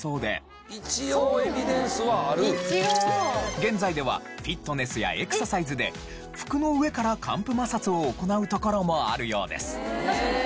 現在ではフィットネスやエクササイズで服の上から乾布摩擦を行うところもあるようです。